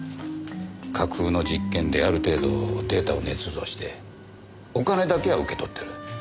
架空の実験である程度データを捏造してお金だけは受け取ってる。